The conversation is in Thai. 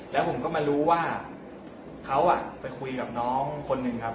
แล้วก็พอเล่ากับเขาก็คอยจับอย่างนี้ครับ